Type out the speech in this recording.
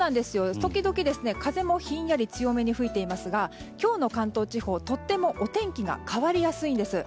時々、風もひんやり強めに吹いていますが今日の関東地方、とてもお天気が変わりやすいんです。